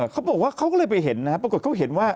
เขาบอกว่าเขาก็เลยไปเห็นนะครับปรากฏเขาเห็นว่า